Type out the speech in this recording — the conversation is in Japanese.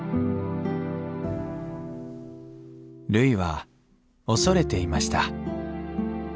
るいは恐れていました。